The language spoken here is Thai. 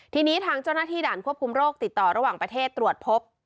ทีนี้ทางเจ้าหน้าที่ด่านควบคุมโรคติดต่อระหว่างประเทศตรวจพบ